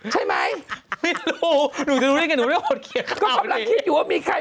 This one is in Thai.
ใช่มั้ย